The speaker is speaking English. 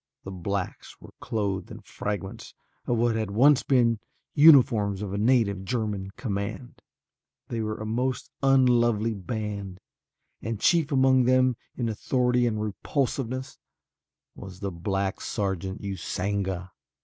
The blacks were clothed in fragments of what had once been uniforms of a native German command. They were a most unlovely band and chief among them in authority and repulsiveness was the black sergeant Usanga.